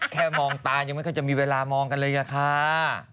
แค่มองตายังไม่ค่อยจะมีเวลามองกันเลยอะค่ะ